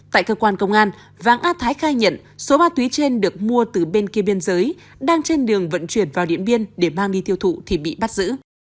tại cơ quan công an vàng a thái khai nhận số ma túy trên được mua từ bên kia biên giới đang trên đường vận chuyển vào điện biên để mang đi tiêu thụ thì bị bắt giữ